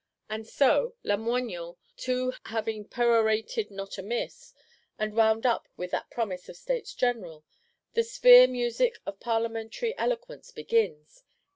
And so, Lamoignon too having perorated not amiss, and wound up with that Promise of States General,—the Sphere music of Parlementary eloquence begins.